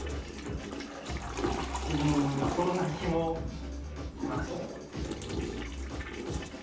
うんそんな気もします。